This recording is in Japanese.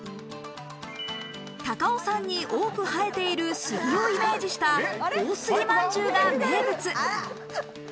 高尾山に多く生えている、杉をイメージした大杉まんじゅうが名物。